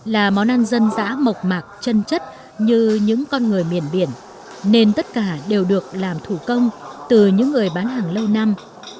là món ăn dân dã mộc mạc chân chất như những con người miền biển nên tất cả đều được làm thủ công từ những người bán hàng lâu năm